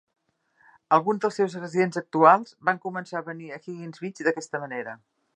Alguns dels seus residents actuals van començar a venir a Higgins Beach d'aquesta manera.